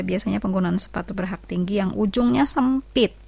biasanya penggunaan sepatu berhak tinggi yang ujungnya sempit